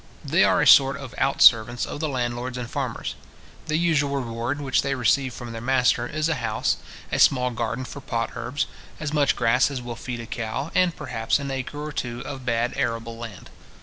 They are a sort of out servants of the landlords and farmers. The usual reward which they receive from their master is a house, a small garden for pot herbs, as much grass as will feed a cow, and, perhaps, an acre or two of bad arable land.